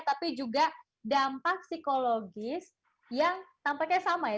tapi juga dampak psikologis yang tampaknya sama ya